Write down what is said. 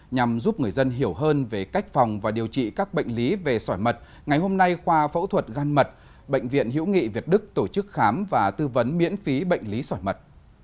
nhằm giúp người dân hiểu hơn về cách phòng và điều trị các bệnh lý về sỏi mật ngày hôm nay qua phẫu thuật gan mật bệnh viện hiễu nghị việt đức tổ chức khám và tư vấn miễn phí bệnh lý sỏi mật